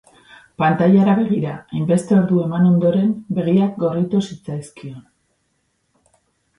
Pantailara begira hainbeste ordu eman ondoren begiak gorritu zitzaizkion.